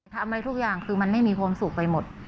ทำอะไรทุกอย่างคือมันไม่มีความสุขไปหมด